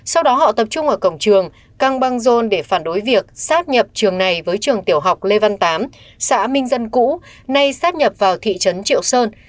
sau đó họ tập trung ở cổng trường căng băng rôn để phản đối việc sáp nhập trường này với trường tiểu học lê văn tám xã minh dân cũ nay sắp nhập vào thị trấn triệu sơn